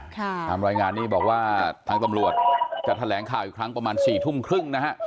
ตามรายงานนี้บอกว่าทางตำรวจจะแถลงข่าวอีกครั้งประมาณสี่ทุ่มครึ่งนะฮะ